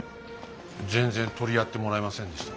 全然取り合ってもらえませんでした。